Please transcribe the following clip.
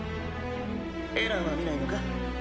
エランは見ないのか？